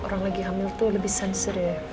orang lagi hamil tuh lebih sensor ya